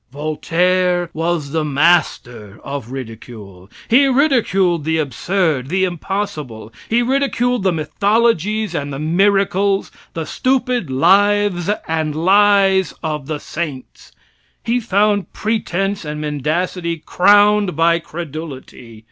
Voltaire was the master of ridicule. He ridiculed the absurd, the impossible. He ridiculed the mythologies and the miracles, the stupid lives and lies of the saints. He found pretense and mendacity crowned by credulity.